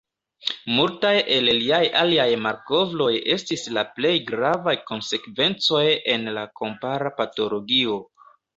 Multaj el liaj aliaj malkovroj estis la plej gravaj konsekvencoj en la kompara patologio.